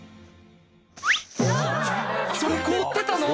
それ凍ってたの？